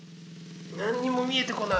何にも見えてこない。